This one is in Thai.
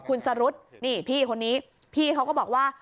คุณสรุธนี่พี่คนนี้พี่เขาก็บอกว่า